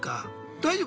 大丈夫？